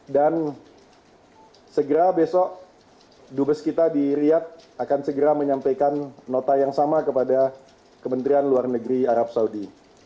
dan segera besok dupes kita di riyad akan segera menyampaikan nota yang sama kepada kementerian luar negeri arab saudi